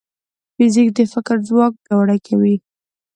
فزیک د فکر ځواک پیاوړی کوي.